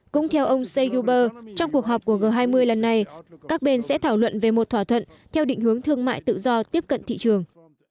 cũng theo ông see guber trong cuộc họp của g hai mươi lần này các bên sẽ thảo luận về một thỏa thuận theo định hướng thương mại tự do tiếp cận thị trường